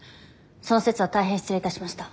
その節は大変失礼いたしました。